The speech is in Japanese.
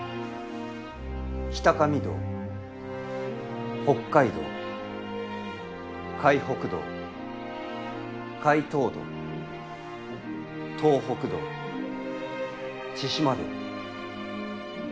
「日見道」「北加伊道」「海北道」「海島道」「東北道」「千島道」。